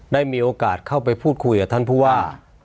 ได้มีโอกาสเข้าไปพูดคุยกับท่านผู้ว่า